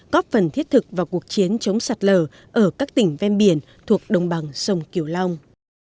góp phần thiết thực vào cuộc chiến chống sạt lở ở các tỉnh ven biển thuộc đồng bằng sông kiều long